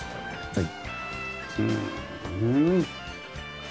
はい。